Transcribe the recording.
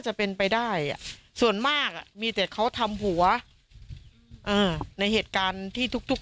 จะเป็นไปได้อ่ะส่วนมากอ่ะมีแต่เขาทำหัวอ่าในเหตุการณ์ที่ทุกทุก